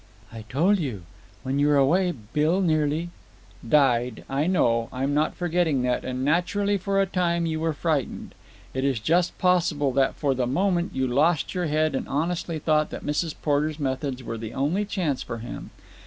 "I told you. When you were away, Bill nearly——" "Died. I know. I'm not forgetting that. And naturally for a time you were frightened. It is just possible that for the moment you lost your head and honestly thought that Mrs. Porter's methods were the only chance for him.